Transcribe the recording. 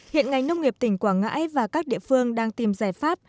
hiện ngành nông nghiệp tỉnh quảng ngãi và các địa phương đang tìm giải pháp